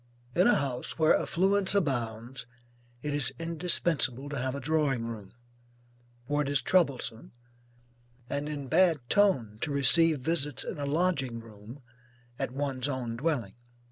In a house where affluence abounds, it is indispensable to have a drawing room, for it is troublesome and in bad ton to receive visits in a lodging room, at one's own dwelling.